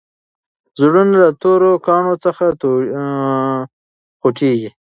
زړونه له تورو کاڼو څخه خوټېږي.